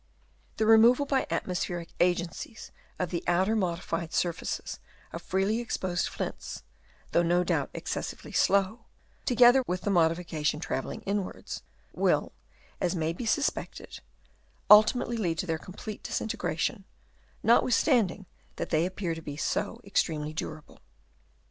The re moval by atmospheric agencies of the outer modified surfaces of freely exposed flints, though no doubt excessively slow, to gether with the modification travelling inwards, will, as may be suspected, ultimately lead to their complete disintegration, not withstanding that they appear to be so extremely durable.